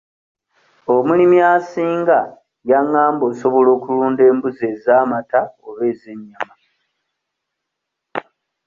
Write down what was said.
Omulimi asinga yangamba osobola okulunda embuzi ez'amata oba ez'ennyama.